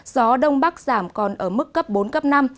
gió đông bắc giảm còn ở mức cấp bốn cấp năm